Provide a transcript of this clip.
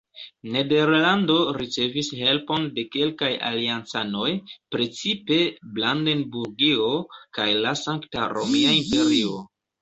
Nederlando ricevis helpon de kelkaj aliancanoj, precipe Brandenburgio kaj la Sankta Romia imperio.